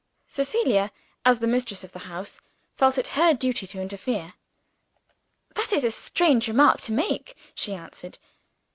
Cecilia, as the mistress of the house, felt it her duty to interfere. "That is a strange remark to make," she answered.